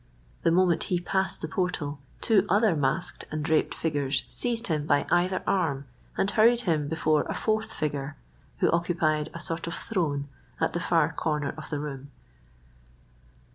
The moment he passed the portal, two other masked and draped figures seized him by either arm, and hurried him before a fourth figure, who occupied a sort of throne at the far corner of the room.